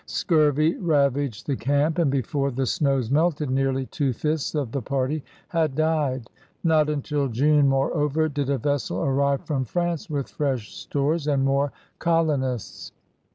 Scurvy ravaged the camp, and before the snows melted nearly two fifths of the party had died. Not until June, moreover, did a vessel arrive from France with fresh stores and more colonists.